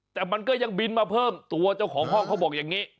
แต่มันก็ยังบินมาเพิ่มตัวเจ้าของห้องเขาบอกอย่างนี้